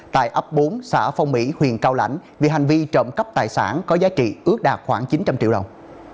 tại ấp bốn xã phong mỹ huyện cao lãnh vì hành vi trộm cắp tài sản có giá trị ước đạt khoảng chín trăm linh triệu đồng